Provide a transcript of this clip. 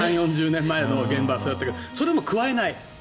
３０４０年前の現場はそうだったけどそれでもくわえない。